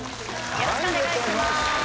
よろしくお願いします。